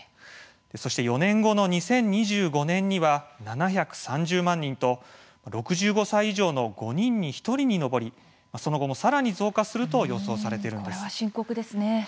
そして、４年後の２０２５年には７３０万人と６５歳以上の５人に１人に上りその後もさらに増加すると予想されているんです。